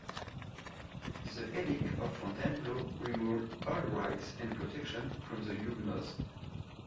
The Edict of Fontainebleau removed all rights and protections from the Huguenots.